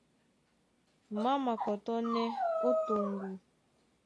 Má makɔtɔ́nɛ́ ó toŋgo.